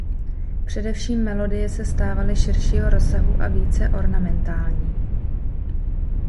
Především melodie se stávaly širšího rozsahu a více ornamentální.